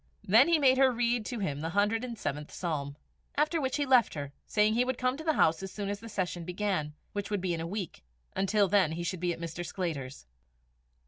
Then he made her read to him the hundred and seventh Psalm; after which he left her, saying he would come to the house as soon as the session began, which would be in a week; until then he should be at Mr. Sclater's.